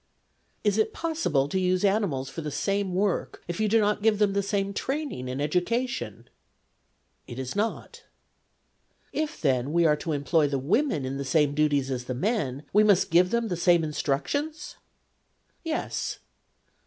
' Is it possible to use animals for the same work if you do not give them the same training and education ?'' It is not.' ' If, then, we are to employ the women in the same duties as the men, we must give them the same in structions ?'' Yes.'